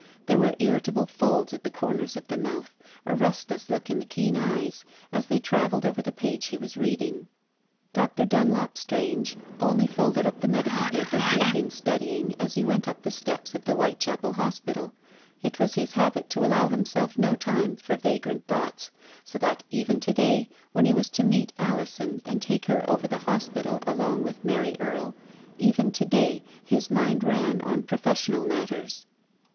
There were irri table folds at the corners of the mouth, a restless look in the keen eyes, as they travelled over the page he was reading. Dr. Dunlop Strange only folded up the medical paper he had been studying as he went up the steps of the Whitechapel Hospital. It was his habit to allow himself no time for vagrant thoughts, so that even to day, when he was to meet Alison and take her over the hospital along with Mary Erie, even to day his mind ran on professional matters.